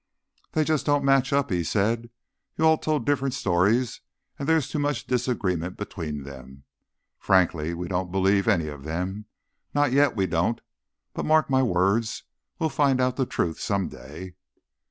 "They just don't match up," he said. "You all told different stories, and there's too much disagreement between them. Frankly, we don't believe any of them—not yet, we don't. But mark my words. We'll find out the truth some day."